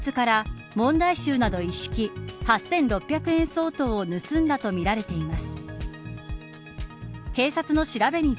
教室から、問題集など一式８６００万円相当を盗んだとみられています。